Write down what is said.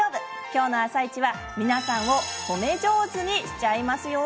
今日の「あさイチ」は皆さんを褒め上手にしちゃいますよ。